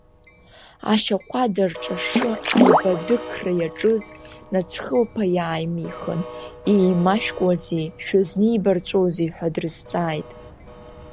Ашьаҟәада рҿашы аибадықра иаҿыз нацхыԥла иааимихын, еимашәкуазеи, шәызнибарҵәозеи ҳәа дрызҵааит.